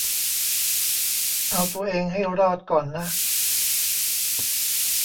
เอาตัวเองให้รอดก่อนนะ